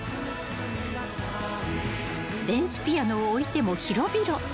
［電子ピアノを置いても広々］